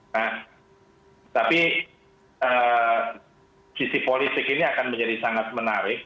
nah tapi sisi politik ini akan menjadi sangat menarik